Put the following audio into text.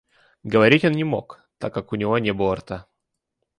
Говорить он не мог, так как у него не было рта.